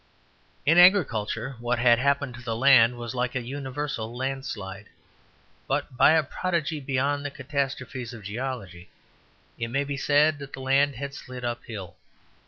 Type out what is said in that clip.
In agriculture, what had happened to the land was like a universal landslide. But by a prodigy beyond the catastrophes of geology it may be said that the land had slid uphill.